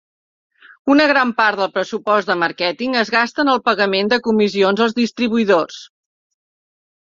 Una gran part del pressupost de màrqueting es gasta en el pagament de comissions als distribuïdors.